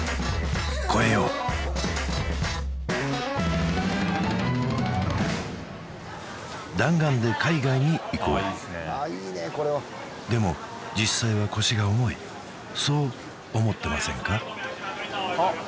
越えよう弾丸で海外に行こうでも実際は腰が重いそう思ってませんか？